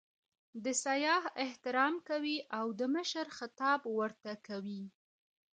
د سیاح احترام کوي او د مشر خطاب ورته کوي.